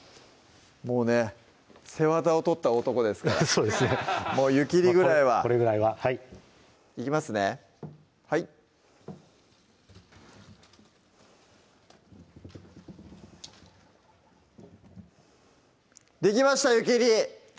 もうね背わたを取った男ですからそうですねもう湯切りぐらいはこれぐらいははいいきますねはいできました湯切り！